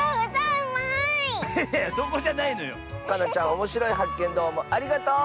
おもしろいはっけんどうもありがとう。